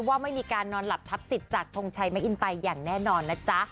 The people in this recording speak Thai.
ว่าไม่มีการนอนหลับทับสิทธิ์จากทงชัยมะอินไตอย่างแน่นอนนะจ๊ะ